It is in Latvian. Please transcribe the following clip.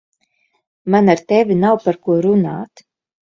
Man ar tevi nav par ko runāt.